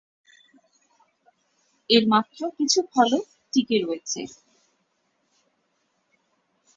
এর মাত্র কিছু ফলক টিকে রয়েছে।